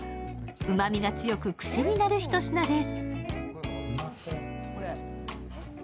うまみが強く癖になるひと品です。